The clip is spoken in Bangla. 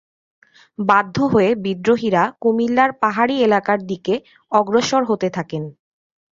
বাধ্য হয়ে বিদ্রোহীরা কুমিল্লার পাহাড়ি এলাকার দিকে অগ্রসর হতে থাকেন।